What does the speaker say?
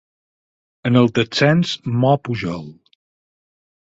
En el descens mor Pujol.